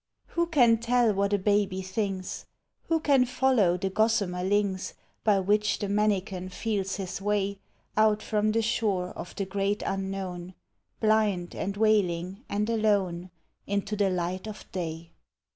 Who can tell what a baby thinks ? Who can follow the gossamer links By which the manikin feels his way Out from the shore of the great unknown, Blind, and wailing, and alone, Into the light of day